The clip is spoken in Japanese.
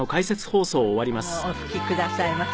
お吹きくださいませ。